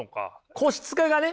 個室化がね